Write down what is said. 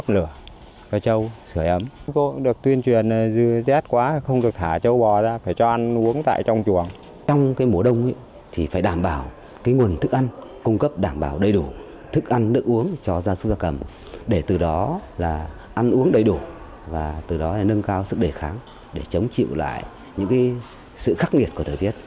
là ăn uống đầy đủ và từ đó là nâng cao sự đề kháng để chống chịu lại những sự khắc nghiệt của thời tiết